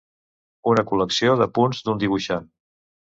Una col·lecció d'apunts d'un dibuixant.